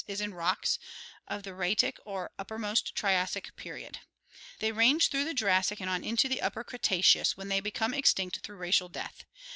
is in rocks of the Rhaetic or uppermost Triassic period. They range through the Jurassic and on into the Upper Cretaceous, when they become extinct through racial death.